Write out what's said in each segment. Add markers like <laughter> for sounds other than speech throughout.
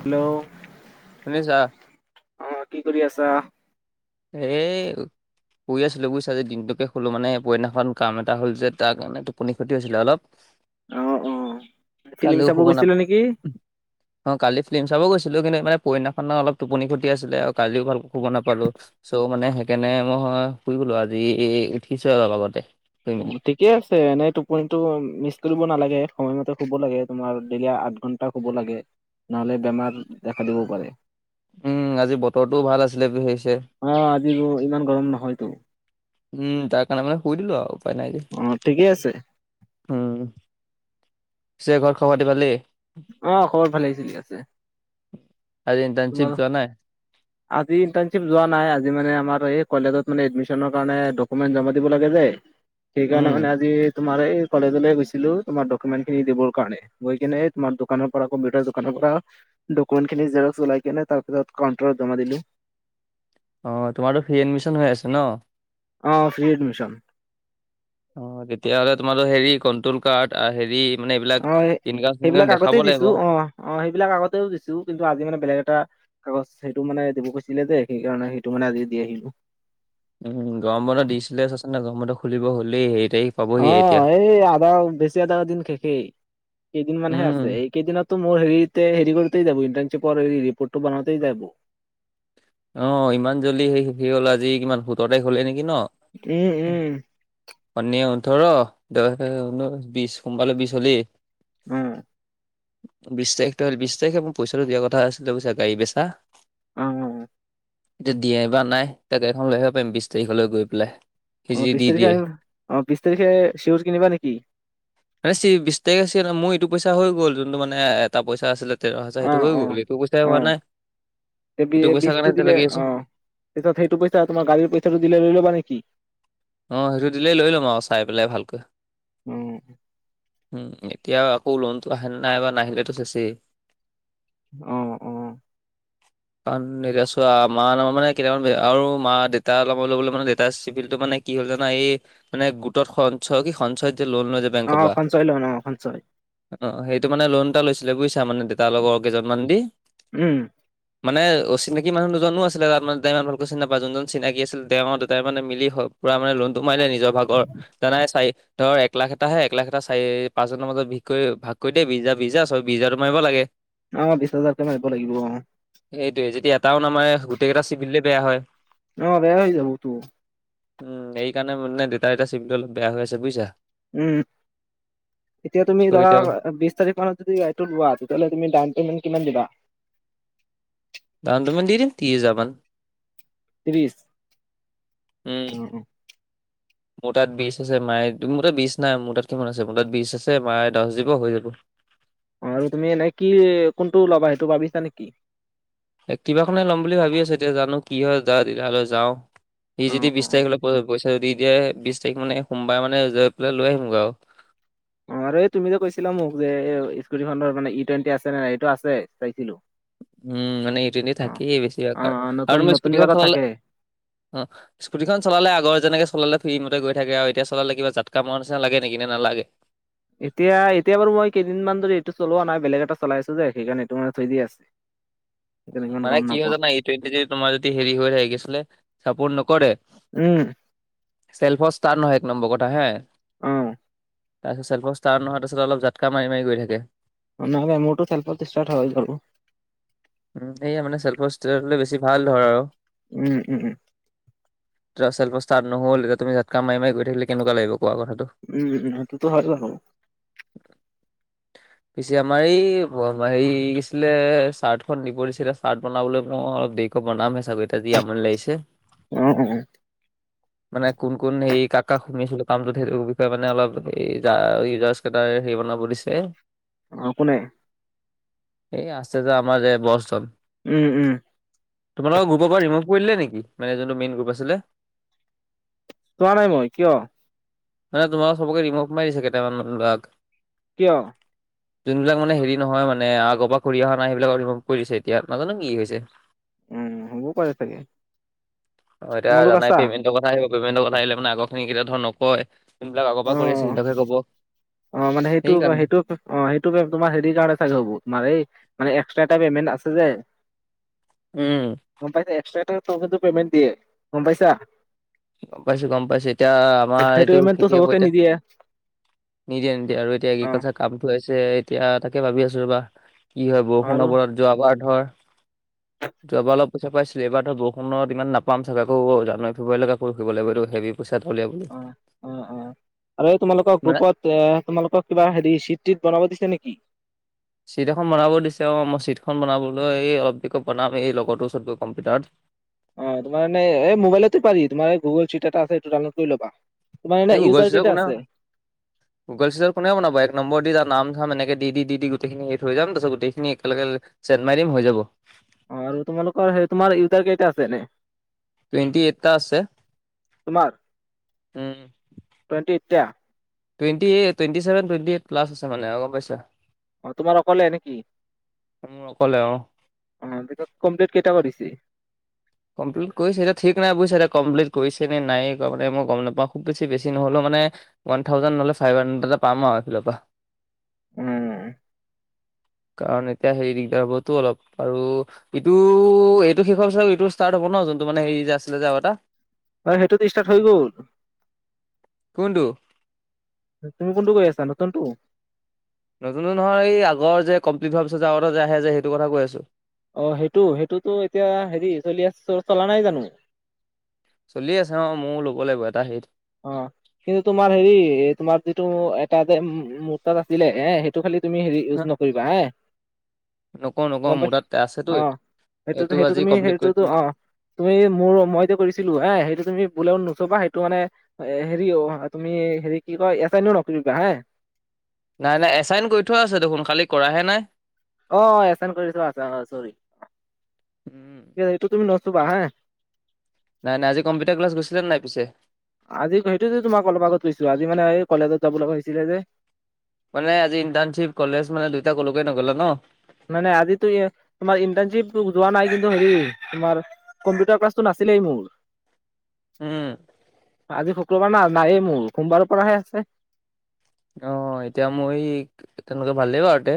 Hello? শুনিছা? অ' কি কৰি আছা? এই। শুই আছিলো বুইছা, আজি টিপটপকে শু'লো মানে পৰহি দিনাখন কাম এটা হ'ল যে তাৰ কাৰণে টোপনি ক্ষতি হৈছিলে অলপ। অ অ ফিল্ম কালিও চাব শুব নাপ গৈছিলা নেকি? অ, কালি ফিল্ম চাব গৈছিলো, কিন্তু মানে পয়হি দিনাখনৰ অলপ টোপনি খটি আছিলে আৰু কালিও ভালকে শুব নাপালো। চ, মানে সেইকাৰণে মই শুই গলোঁ আজি উঠিছোহে অলপ আগতে। শুই মেলি <unintelligible> ঠিকে আছে, এনেই টোপনটো মিচ কৰিব নালাগে, সময়মতে শুব লাগে, তোমাৰ দেইলি আঠ ঘণ্টা শুব লাগে। নহ'লে বেমাৰ দেখা দিবও পাৰে। উম, আজি বতৰটোও ভাল আছিলে। <inaudible> অ, আজি ৰ, ইমান গৰম নহয়তো। উম, তাৰ কাৰণে মানে শুই দিলো আৰু উপায় নাই যে। অ ঠিকে আছে উম, পিছে ঘৰত খবৰ-খাতি ভালেই? অ, খবৰ ভালেই <unintelligible> আজি ইন্টানচিপ যোৱা নাই? আজি ইন্টানচিপ যোৱা নাই, আজি মানে আমাৰ কলেজত মানে এডমিছনৰ কাৰণে ডকুমেণ্ট জমা দিব লাগে যে, সেইকাৰণে উম মানে আজি তোমাৰ এই কলেজলৈ গৈছিলো, তোমাৰ ডকুমেণ্ট খিনি দিবৰ কাৰণে। গৈ কিনে তোমাৰ দোকানৰ পৰা কম্পিউটাৰ দোকানৰ পৰা, ডকুমেণ্ট খিনি জেৰ ওলাই কেনে তাৰপাছত কাউণ্টাৰত জমা দিলো। অ, তোমাৰো ফ্ৰী এডমিশ্যন হৈ আছে ন? অ, ফ্ৰী এডমিশ্যন। অ, তেতিয়াহ'লে তোমালে হেৰি কণ্ট্ৰল কাৰ্ড, হেৰি মানে এইবিলাক অ সেইবিলাক ইনকাম-চিনকাম আগতে দেখাব দিছো লাগিব। অ অ, সেইবিলাক আগতেও দিছো, কিন্তু আজি মানে বেলেগ এটা কাগজ সেইটো মানে দিব কৈছিলে যে, সেইকাৰণে সেইটো মানে আজি দি আহিলো। উম, গৰম বন্ধ দিছিলে চাচোন, গৰম বন্ধ খুলিব হ'লেই হেইতেই অ, এই আধা বেছি আদা দিন শেষেই, কেইদিন মানহে আছে উম এই। কেইদিনতো মোৰ হেৰিতে হেৰি, কৰিতে যাব, ইন্টানচিপৰ ৰিপৰ্টো বনাওঁতে যাব। অ, ইমান জল্দি সেই শেষ হ'ল আজি কিমান, সোতৰ তাৰিখ হ'লে নেকি ন? উম, উম, শণিয়ে ওঠৰ, দে ঊনৈশ, বিশ সোমবাৰে বিশ হ'লেই। উম, বিশ তাৰিখটোৰ বিশ তাৰিখে মোৰ পইচাটো দিয়া কথা আছিলে গাড়ী বেচা। <unintelligible> এতিয়া দিয়ে বা নাই, তেতিয়া গাড়ীখন লৈ আহিব পাৰিম, বিশ তাৰিখলৈ গৈ পেলাই। সি অ, যদি বিশ দি তাৰিখে দিয়ে। অ, বিশ তাৰিখে চিউজ কিনিবা নেকি? <inaudible> বিশ আছিল, মোৰ এইটো পইচা হৈ গ'ল, যোনটো মানে এটা পইচা আছিলে। <inaudible> এইটো পইচাই হোৱা নাই। ইটো এই পইচাৰ কাৰণে বিছটো এতিয়া দিলে লাগি আছো অ, তাৰছত সেইটো পইচা তোমাৰ গাড়ীৰ পইচাটো দিলে লৈ ল'বা নেকি? অ, সেইটো দিলেই লৈ ল'ম আৰু চাই পেলাই ভালকৈ। উম, উম, এতিয়া আকৌ লোনটো আহে নে নাই বা নাহিলেটো চেচেই। অ, অ, <inaudible> কাৰণ, এতিয়া চোৱা মা নামৰ মানে কেইটামান বেয়া আৰু মা, দেতা নামত ল'বলে মানে দেতাৰ চিভিলটো মানে কি হ'ল জানা এই, মানে গোটত সঞ্চয় কি সঞ্চয়ত যে, লোন লৈ যে বেংকৰ অ', পৰা সঞ্চয় লোন, অ', সঞ্চয়। অ', সেইটো মানে লোন এটা লৈছিলে বুইছা মানে দেতাৰ লগৰ কেইজনমান দি। উম মানে অচিনাকি মানুহ দুজনো আছিলে, তাত মানে তেওঁ ইমান ভালকে চিনি নেপায় যোনজন চিনাকি আছিল তেওঁ দেতাই মানে মিলি হ পোৰা মানে লোনটো মাৰিলে নিজৰ ভাগৰ, দাদাই চাই ধৰ একলাখ এটাহে, একলাখ এটা চাৰি পাঁচজনৰ মাজত ভিগ কৰি ভাগ কৰি দে, বিছ হাজাৰ, বিছ হাজাৰ চবে বিছ হাজাৰটো মাৰিব লাগে। অ', বিছ হাজাৰকে মাৰিব লাগিব অ'। সেইটোৱে, যদি এটাও নামাৰে, গোটেইকেইটা চিভিলে বেয়া হয়। অ', বেয়া হৈ যাবতো। উম, এই কাৰণে মানে দেউতা এটা <unintelligible> বেয়া হৈ আছে বুইছা। উম, এতিয়া তুমি চ' ধৰা এতিয়া বিছ তাৰিখ মানত যদি টো লোৱা, তেতিয়াহ'লে তুমি ডাউন পেমেণ্ট কিমান দিবা। ডাউন পেমেণ্ট দি দিম তিছ হাজাৰ মান। ত্ৰিশ উম। অ মোৰ তাত বিচ আছে, মায়ে মোৰ তাত বিজ নাই, মোৰ তাত কিমান আছে, মোৰ তাত বিচ আছে, মায়ে দচ দিব হৈ যাব। অ', আৰু তুমি এনেই কি কোনটো ল'বা সেইটো ভাবিছা নিকি? এ কিবাখনে ল'ম বুলি ভাবি আছো, এতিয়া জানো কি হয় যা তেতিয়াহ'লে যাওঁ। সি অ যদি বিছ অ তাৰিখলে প-পইচা দি দিয়ে, বিছ তাৰিখ মানে সোমবাৰ মানে গৈ পেলাই লৈ আহিমগৈ আৰু। অ', আৰু এই তুমি যে কৈছিলা মোক যে এই স্কুটিখনৰ মানে ই টুৱেণ্টি আছে নে নাই, এইটো আছে চাইছিলোঁ। উম, মানে ই টুৱেন্টি থাকেই বেছিভাগ অ আৰু, অ নতুন আৰু মই নতুন স্কুটিখন বিলাকত চলালে, থাকে। অ'। স্কুটিখন চলালে আগৰ যেনেকে চলালে ফ্ৰী মতে গৈ থাকে আৰু এতিয়া চলালে কিবা জাতকা মৰা নিচিনা লাগে নেকি নে নালাগে। এতিয়া, এতিয়া বাৰু মই কেইদিনমান ধৰি এইটো চলোৱা নাই, বেলেগ এটা চলাই আছো যে, সেইকাৰণে এইটো মানে থৈ দিয়া আছে। <unintelligible> সেইকাৰণে উম, ইমান মানে গম কি হয় নাপাওঁ জানা ই টুৱেন্টি দি তোমাৰ যদি হেৰি হৈ যায় কি আছিলে, চাপৰ্ট নকৰে। উম। চেল্ফৰ ষ্টাৰ্ট নহয় এক নম্বৰ কথা হে। অ'। তাৰপিছত ছেল্ফৰ ষ্টাৰ্ট নহয়, তাৰপিছত অলপ জাতকা মাৰি, মাৰি গৈ থাকে। <unintelligible> নহ'ব মোৰটো ছেল্ফত ষ্টাৰ্ট হৈ যাব। উম, সেইয়া মানে চেল্ফত ষ্টাৰ্ট হ'লে বেছি ভাল ধৰ আৰু। উম, উম, উম। <unintelligible> চেলফত ষ্টাৰ্ট নহ'ল, এতিয়া তুমি জাতকা মাৰি, মাৰি গৈ থাকিলে কেনেকুৱা লাগিব কোৱা কথাটো। উম, সেইটোতো হয় বাৰু। পিছে আমাৰ এই <unintelligible> হেৰি কি আছিলে, চাৰ্ট <unintelligible> দিব দিছিলে, ষ্টাৰ্ট বনাবলৈ মই অলপ দেৰিকৈ বনামহে ছাগৈ এতিয়া যি আমনি লাগিছে। অ', অ'। <unintelligible> মানে কোন, কোন হেৰি কাক, কাক শু <unintelligible> কামটোত সেইটোৰ বিষয়ে মানে অলপ <unintelligible> এটাই হেৰি বনাব দিছে। অ', কোনে। এই আছে যে আমাৰ যে বচজন। উম, উম। তোমালোকৰ গ্ৰুপৰ পৰা ৰিম'ভ কৰি দিলে নেকি, মানে যোনটো মেইন গ্ৰুপ আছিলে। চোৱা নাই মই, কিয়? মানে তোমালোক চবকে ৰিম'ভ মাৰি দিছে, কেইটামান ল'ৰাক। কিয়? যোনবিলাক মানে, সেৰি নহয় মানে, আগ পৰা কৰি অহা নাই, সেই বিলাক‌ক দিব। কৰিছে এতিয়া, নাজানোঁ কি হৈছে। উম, হ'বও পাৰে চাগে। অ' এতিয়া, তোমালোক জানাই আছা পেমেণ্ট। কথা আহিব, পেমেণ্ট কথা আহিলে মানে, আগৰ খিনি কেতিয়াও ধৰ, নকয়। যোনবিলাক আগ অ পৰা কৰি অ আছে, সেইবিলাকে ক'ব। অ মানে সেইটো সেইকাৰণে। সেইটো অ'! সেইটো তোমাৰ, সেৰি কাৰণে চাগে হ'ব, তোমাৰ এই মানে, এক্সট্ৰা এটা পেমেণ্ট আছে যে। উম! গম পাইছা? এক্সট্ৰা <unintelligible> কিন্তু, পেমেণ্ট দিয়ে। গম পাইছা? গম পাইছোঁ-গম পাইছোঁ। এতিয়া, আমাৰ সেইটো এইটো পেমেন্টটো শেষেই হ'ব চবকে এতিয়া। নিদিয়ে নিদিয়ে-নিদিয়ে। আৰু এতিয়া, অ এগ্ৰিকালচাৰ কামটো আহিছে। এতিয়া, তাকে ভাবি আছোঁ ৰ'বা। কি হয়, বৰষুণ আৰু বতৰত, যোৱাবাৰ ধৰ, যোৱাবাৰ অলপ, পইচা পাইছিলোঁ। এইবাৰ ধৰ, বৰষুণত ইমান নাপাম চাগে। আকৌ, জানুৱাৰী- ফেব্ৰুৱাৰীলৈকে কৈ ফুৰিব লাগিব, এইটো সেৰিত। পইচা থ'লে <unintelligible> অ' অ' অ'! আৰু এই, তোমালোকৰ মানে গ্ৰুপত এ, তোমালোকক কিবা সেৰি, চিট-টিত বনাব দিছে নেকি? চিট এখন বনাব দিছে, অ'! মই চিটখন বনাবলৈ, এই অলপ <unintelligible> বনাম, এই লগৰতো ওচৰত গৈ কম্পিউটাৰত। অ'! তোমাৰে এনে, এই, মোবাইলতো পাৰি। তোমাৰ গুগল চিট এটা আছে, ডউনলোড কৰি ল'বা। তোমাৰ এনে, এই গুগল ইউজাৰ চিটত কেইটা কোনে আছে? <inaudible> গুগল <unintelligible> কোনে বনাব? এক নম্বৰ দি যা, নাম-চাম এনেকে দি-দি গোটখিনি থৈ যাম। তাৰপিছত, গোটেইখিনি একেলগে চেন মাৰি দিম, হৈ যাব। অ'! আৰু তোমালোকৰ, সেই, তোমাৰ ইউজাৰ কেইটা আছে, এনে? টুৱেণ্টি এইটটা আছে। তোমাৰ <inaudible> উম। টুৱেণ্টি এইটটা? Twenty eight, twenty seven, twenty eight plus আছে মানে। গম পাইছা? অ'! তোমাৰ অকলে নেকি? মোৰ অকলে অ <unintelligible> অ' কমপ্লিট কেইটা কেইটা কৰিছে? কমপ্লিট কৰিছে। এ, ঠিক নাই, বুজিছে! এতিয়া, কমপ্লিট কৰিছে নে নাই মানে, মই গম নাপাওঁ। খুউব বেছি, বেছি নহ'লেও মানে, ওৱ থাউজেণ্ড নহ'লেও <unintelligible> এটা পাম আৰু এইফালৰ পৰা। উম। কাৰণ, এতিয়া সেই, দিগদাৰ হ'বতো অলপ। আৰু ইটো, এইটো শেষ হোৱাৰ পিছত, এইটো ষ্টাৰ্ট হ'ব ন'? যোনটো মানে, সেৰি যে আছিলে যে, আৰু এটা? অ'! সেইটো দি ষ্টাৰ্ট হৈ গ'ল। কোনটো? তুমি কোনটো কৰি আছা, নতুনটো? নতুনতো নহয়। এই, আগৰ যে, কমপ্লিট হোৱাৰ পিছত যে, আৰু এটা যে, আহে যে, সেইটো কথা কৈ আছোঁ। অ'! সেইটো, সেইটোতো এতিয়া, সেৰি চলি, আঁ চলা নাই জানোঁ? চলি আছে, অ'! মইয়ো ল'ব লাগিব, এটা সেৰিত। অ'! কিন্তু তোমাৰ সেৰি, তোমাৰ যিটো, এটা যে মোৰ তাত আছিলে, এইয়াই। তো খালি তুমি, সেৰি হা ইউজ নকৰিবা হা? নকওঁ নকওঁ গম পাই মোৰ তাত আছেতো <inaudible> অ'! এইটো সেইটোতো, এইটো সেইটো আজি তুমি কমপ্লিট কৰি সেইটোতো, দিলি অ'! তুমি মোৰ, মই যে কৰিছিলোঁ, হে! সেইটো তুমি ভুলেও নোচোবা। সেইটো মানে, সেৰি অ'! তুমি সেৰি, কি কয়! ইয়াতে এনেও নকৰিবা হা। নাই-নাই, এছাইন কৰি থোৱা আছে দেখোন, খালি কৰাহে নাই। অ অ এচাইন কৰি থোৱা আছে অ চৰি, উম। কিও এইটো তুমি নুচুবা হে। নাই নাই আজি কম্পিউটাৰ ক্লাছ গৈছিলা নাই পিছে? আজি সেইটো যে তোমাক অলপ আগত কৈছো আজি মানে এই কলেজত যাব লগা হৈছিলে যে। মানে আজি ইট্ণশ্বিপ কলেজ মানে দুইটা কলেকো নগলা ন। নাই নাই আজিতো ই তোমাৰ ইণ্টাৰ্ণশ্বিপ যোৱা নাই কিন্তু হেৰি তোমাৰ কম্পিউটাৰ ক্লাছটো নাছিলেই মোৰ। উম। আজি শুক্ৰবাৰ না নায়ে মোৰ। সোমবাৰৰ পৰাহে আছে। অ এতিয়া মই তেনেকে ভালেই বাৰুতে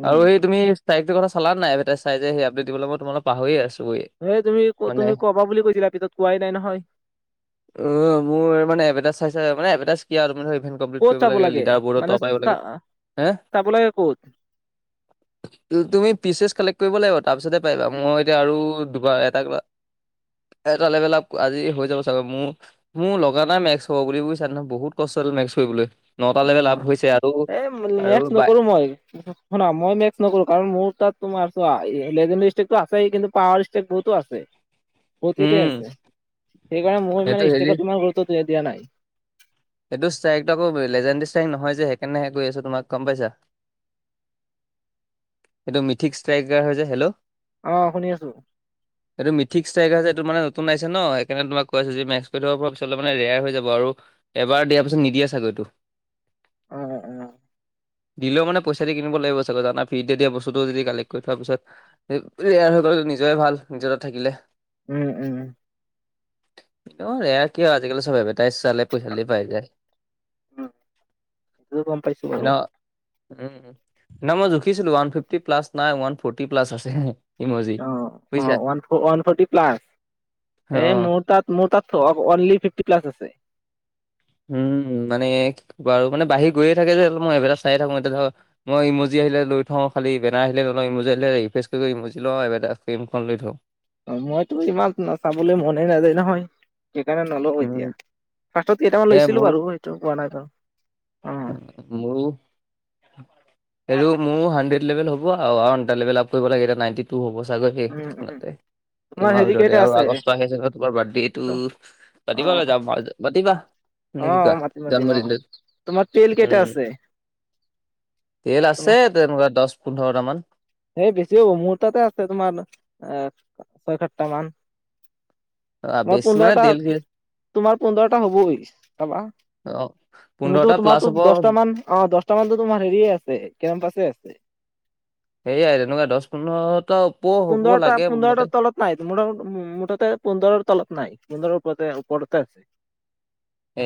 উম আৰু সেই তুমি তাৰিখটো কথা চলা নাই? চাই যে সেই আপডেট দিব মই তোমাক পাহৰি আছো <unintelligible> এ তুমি ক তুমি ক'বা বুলি কৈছিলা। পিছত কোৱাই নাই নহয়। অ মোৰ মানে এভেটাইজ চাই চাই মানে এভাৰটাইজ কি আৰু <unintelligible> ক'ত চাব লাগে লিডাৰব বোৰৰ মানে টপ চা <unintelligible> হে চাব লাগে ক'ত তুমি পিচেছ কালেক্ট কৰিব লাগিব তাৰপিছতে পাৰিবা। মই এতিয়া আৰু দুবাৰ এটা এটা লেভেলা আজি হৈ যাব চা গৈ। মোৰ মোৰ লগা নাই মেক্স হ'ব বুলি কৈছে। <unintelligible> বহুত কষ্ট আছিল মেক্স কৰিবলৈ। নটা অ লেভেল আপ হৈছে আৰু এই আৰু মেক্স বাই নকৰো মই। শুনা মই মেক্স নকৰো কাৰণ মোৰ তাত তোমাৰ চাৱা লেজেণ্ডাৰি ষ্টেকটো আছে কিন্তু পাৱাৰ ষ্টেক বহুতো আছে। <inaudible> বহুত কেইটাই উম আছে। সেইকাৰণে মই সেইটো মানে হেৰি ষ্টেক তোমাৰ গুৰুত্ব দিয়া নাই। এইটো ষ্টাইকটো আকৌ পৰিলে। লেজেণ্ড ষ্টাইক নহয় যে সেইকাৰণেহে কৈ আছো তোমাৰ গম পাইছা। সেইটো মিথিক ষ্ট্ৰাই হৈছে। হেল্ল! অ শুনি আছো। <inaudible> এইটো মিথিক ষ্ট্ৰাইক আছে এইটো মানে নতুন আছে ন সেই কাৰণে তোমাক কৈ আছো যে মেক্স কৰি থব পৰা পিছত মানে ৰেয়াৰ হৈ যাব আৰু এবাৰ দিয়াৰ পিছত নিদিয়ে চাগে এইটো। উম উম। দিলেও মানে পইচা দি কিনিব লাগিব চাগৈ জানা ফিট তেতিয়া বস্তুটো যদি কালেক্ট কৰি থোৱাৰ পিছত ৰেয়াৰ হৈ গ'ল নিজে ভাল নিজৰ তাত থাকিলে। উম উম। অ ৰেয়াৰ কিয় আজিকালি চব এভাৰটাইজ চালে পইচা দিলে পাই যায়। উম এইটো গম পাইছো বাৰু। উ নাই মই জুখিছিলো। ওৱান ফিফটি প্লাছ নাই ওৱান ফৰ্টি প্লাছ আছে। ইমজি অ অ বুজিছা ওৱান ওৱান ফৰ্টি প্লাছ। অ এই মোৰ তাত মোৰ তাত অফ অনলি ফিফটি প্লাছ আছে। উম মানে কি আৰু। মানে বাহি গৈয়ে থাকে যে মই এডভাদেছ চাইয়ে থাকো এতিয়া ধৰ মই ইমজি আহিলে লৈ থওঁ খালি ইভেদা আহিলে লৈ লওঁ ইমজি আহিলে ৰিফ্ৰেচ কৰি ইমজি ল এবমখন লৈ থওঁ। অ মইতো ইমান চাবলৈ মনেই নাযায় নহয়। সেইকাৰণে নলোও উম এতিয়া। ফাৰ্ষ্টত কেইটামান এ লৈছিলো মোৰ বাৰু সেইটো পোৱা নাই বাৰু। মোৰো এইটো মোৰ হাড্ৰেড লেভেল হ'ব আৰু এটা লেভেলপ কৰিব লাগে এতিয়া নাইনটি টো হ'ব চাগৈ সেই উম উম কেইদিনতে। তোমাৰ এইমাহৰ হেৰি কেইটা ভিতৰতে আৰু আছে আগষ্ট মাহ তোমাৰ বাৰ্থডেটো অ পাতিব যাম <unintelligible> পাতিবা নে অ কি কোৱা মাতিম মাতিম অ জন্মদিনটোত। তোমাৰ তেল কেইটা উম আছে তেল আছে তোমাৰ তেনেকুৱা দহ পোন্ধৰটামান। সেই বেছি হ'ব। মোৰ তাতে আছে তোমাৰ আহ ছয়-সাতটা মান। আ, মোৰ বেছি মানে পোন্ধৰটা তেল কি তোমাৰ পোন্ধৰটা হ'বই চাবা। অ পোন্ধৰটা তুমিতো প্লাছ তোমাৰতো হ'ব দহটা মান অ দহটা মানতো তোমাৰ হেৰিয় আছে কেম্পাছে আছে। সেয়াই তেনেকুৱা দহ পোন্ধৰটা ওপৰ হ'ব পোন্ধৰটা লাগে মোৰ মতে পোন্ধৰটাৰ তলত নাই মোৰ মোৰ তাতে পোন্ধৰৰ তলত নাই পোন্ধৰ উপৰতে আছে।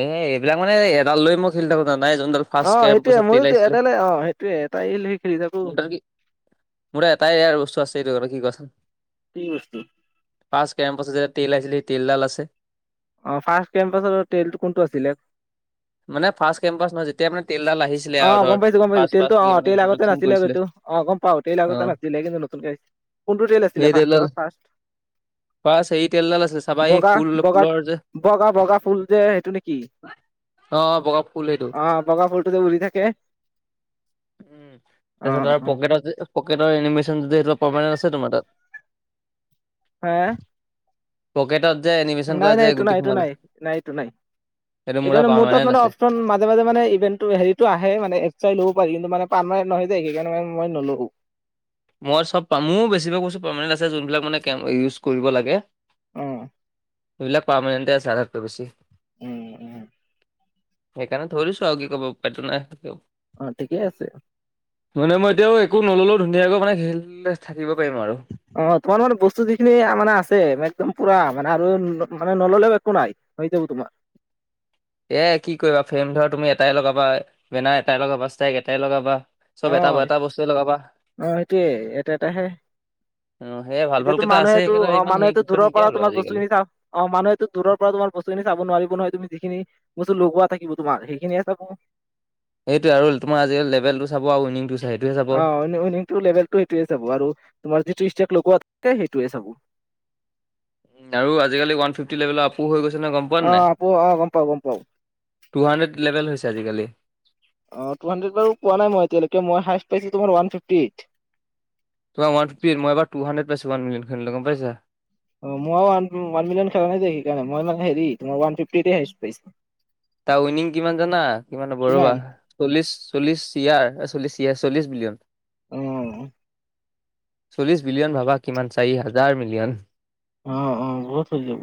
এ এইবিলাক মানে এডাল লৈ মই খেলি থাকো। যানাই যোনডাল ফাৰ্ষ্ট অ' সেইটোয়ে কেম্পাছত তেল মইয়োতো আহিছিলে এডালে আহ সেইটোয়ে এটাই লৈ খেলি থাকো। মোৰ তাত কি মোৰ এটাই আৰু বস্তু আছে এইটো কি কোৱাচোন? কি বস্তু? পাঁচ কেম্প আছে যে তিলাইছিলি তিলদাল আছে। অ' ফাৰ্ষ্ট কেম্পাত তেল কোনটো আছিলে। মানে ফাৰ্ষ্ট কেম্পাছ নহয় যেতিয়া মানে তেলডাল আহিছিলে। আৰু অ' ধৰ গ'ম পাইছো গ'ম পাইছো ফাৰ্ষ্ট তেলটো ফাৰ্ষ্ট কি অ' মানে তেল আগতে ইন্ট্ৰডাকচন নাছিলে। কৰিছিলে সেইটো অ' গ'ম পাওঁ তেল অ আগতে নাছিলে কিন্তু নতুনকে আহিছে। কোনটো তেল আছিলে ফাৰ্ষ্টত ফাৰ্ষ্ট। ফাৰ্ষ্ট হেৰি তেলডাল আছিলে চাবা এই বগা ফুল বগাত ফুলৰ যে বগা বগা ফুল যে সেইটো নেকি? অ' বগা ফুল সেইটো। অ বগা ফলটো যে উৰি থাকে। উম, অ তাৰ পিছত আৰু অ পকে পকেটৰ এনিমেশ্যনটো যে সেইটো পাৰমানেণ্ট আছে তোমাৰ তাত? হা' পকেটত যে এনিমেশ্যন নাই কৰা নাই যে এইটো নাই গুটি এইটো সোমালে নাই নাই এইটো নাই। সেইটো এইটো মানে মোৰ তাত পাৰ্মানেণ্ট মানে আছে অপশ্যন মা মাজে মাজে মানে ইভেণ্টো হেৰিটো আহে মানে এক চাই ল'ব পাৰি। কিন্তু মানে পাৰ্মানেণ্ট নহয় যে সেইকাৰণে মে মই নলওঁ। মই চব পাম, মোৰ বেছিভাগ বস্তু পাৰ্মানেণ্ট আছে। যোনবিলাক মানে কেম্প ইউজ কৰিব লাগে। উম। সেইবিলাক পাৰ্মেনেন্তে আছে আধতকে বেছি। উম, উম। সেইকাৰণে থৈ দিছো আৰু কি ক'ব উপাইটো নাই। অ' ঠিকেই আছে। মানে মই এতিয়াও একো ন'ললেও ধুনীয়াকৈ মানে হেল্পলৈ থাকিব পাৰিম আৰু। অ' তোমাৰ লগত বস্তু যিখিনি মানে আছে একদম পুৰা মানে আৰু মানে নল'লেও একো নাই। হৈ যাব তোমাৰ। এয়াই কি কৰিবা ফ্ৰেম ধৰা তুমি এটাই লগাবা বেনাৰ এটাই লগাবা ষ্টাইক এটাই লগাবা। চব অ' এটা হয় এটা বস্তুৱে লগাবা অ' সেইটোয়ে এটা এটাহে। অ সেয়ে ভাল ভাল এতিয়াতো কেইটা আছে মানুহেটো সেইকাৰণে অ' ইমান হেৰি মানুহেতো গুৰুত্ব দূৰৰ নিদিয়া পৰা হলো তোমাৰ আজিকালি বস্তুখিনি চাওঁ। অ' মানুহেতো দূৰৰ পৰা তোমাৰ বস্তুিখিনি চাব নোৱাৰিব নহয়। তুমি যিখিনি বস্তু লগোৱা থাকিব তোমাৰ সেইখিনিহে চাব। সেইটোয়ে আৰু তোমাৰ আজিকালি লেভেল টো চাব আৰু উইনিং টো চাই। সেইটোহে চাব অ' উইনিং টো লেবেলটো সেইটোৱে চাব আৰু তোমাৰ যিটো ষ্টেগ লগোৱা থাকে সেইটোৱে চাব। আৰু আজিকালি ওৱান ফিফটি লেভেল আপো হৈ গৈছে নহয় গ'ম পোৱা? নাই অ' আপো গ'ম পাওঁ গ'ম পাওঁ। টু হাণ্ড্ৰেড লেভেল হৈছে আজিকালি। অ' টু হাণ্ড্ৰেদ বাৰু পোৱা নাই এতিয়ালৈকে, মই হায়েষ্ট পাইছো তোমাৰ ওৱান ফিফটি এইট। তোমাৰ ৱান ফিফটি এইট, মই এইবাৰ টু হাণ্ড্ৰেড পাইচো ৱান মিলিয়ন খেলোতে গ'ম পাইছা। অ' মই ওৱান ৱান মিলিয়ন খেলা নাই যে, সেইকাৰণ মই মানে হেৰি তোমাৰ ওৱান ফিফটি এইটে পাইছো হাইয়েষ্ট। তাৰ উইনিং কিমান জানা? কিমান হ'ব ৰ'বা চল্লিছ, চল্লিছ চি আৰ, এ-চলি-চিআৰ, চল্লিছ বিলিয়ন। অ', চল্লিছ বিলিয়ন ভাবা কিমান, চাৰি হাজাৰ মিলিয়ন। অ'-অ', বহুত হৈ যাব।